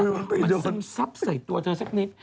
มันซึมซับใส่ตัวเธอสักนิด